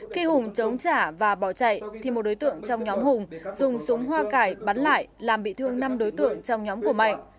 khi hùng chống trả và bỏ chạy thì một đối tượng trong nhóm hùng dùng súng hoa cải bắn lại làm bị thương năm đối tượng trong nhóm của mạnh